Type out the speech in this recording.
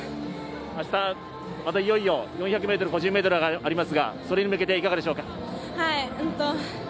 明日、またいよいよ４００ｍ個人メドレーがありますがそれに向けていかがでしょうか？